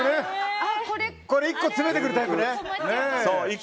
１個、詰めてくるタイプね。